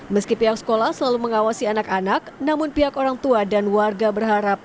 meski pihak sekolah selalu mengawasi anak anak namun pihak orang tua dan warga berharap